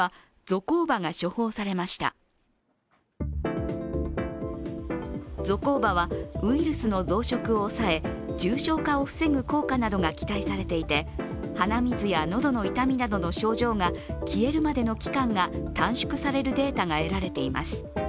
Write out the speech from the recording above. ゾコーバはウイルスの増殖を抑え重症化を防ぐ効果などが期待されていて鼻水や喉の痛みなどの症状が消えるまでの期間が短縮されるデータが得られています。